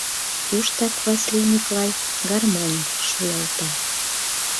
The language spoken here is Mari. Туштак Васлий Миклай гармоньым шуялта.